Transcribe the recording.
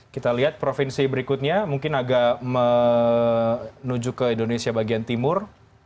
kita lihat provinsi berikutnya mungkin agak menuju ke indonesia bagian timur